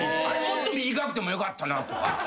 あれもっと短くてもよかったとか。